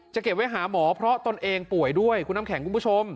เก็บไว้หาหมอเพราะตนเองป่วยด้วยคุณน้ำแข็งคุณผู้ชม